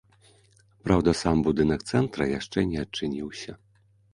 Праўда, сам будынак цэнтра яшчэ не адчыніўся.